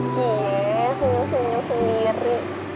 jee senyum senyum sendiri